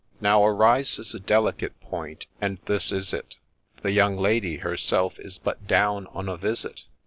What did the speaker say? Now arises a delicate point, and this is it — The young Lady herself is but down on a visit.